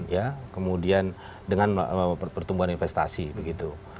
ya kemudian dengan pertumbuhan investasi begitu